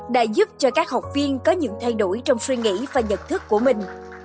đã giúp cho các học viên có những thay đổi trong suy nghĩ và nhận thức của mình